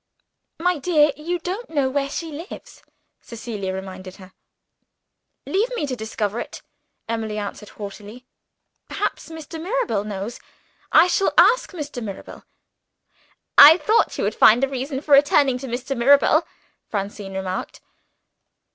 "My dear, you don't know where she lives," Cecilia reminded her. "Leave me to discover it!" Emily answered hotly. "Perhaps Mr. Mirabel knows. I shall ask Mr. Mirabel." "I thought you would find a reason for returning to Mr. Mirabel," Francine remarked.